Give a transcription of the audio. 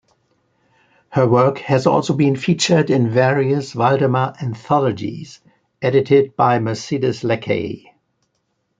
Her work has also been featured in various Valdemar anthologies, edited by Mercedes Lackey.